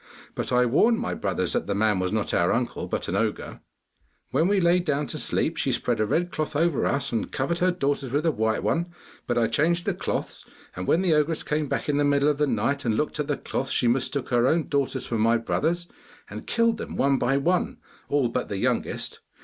But I warned my brothers that the man was not our uncle, but an ogre. 'When we lay down to sleep, she spread a red cloth over us, and covered her daughters with a white one; but I changed the cloths, and when the ogress came back in the middle of the night, and looked at the cloths, she mistook her own daughters for my brothers, and killed them one by one, all but the youngest.